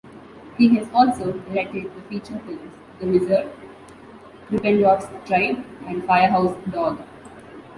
He has also directed the feature films "The Wizard", "Krippendorf's Tribe" and "Firehouse Dog".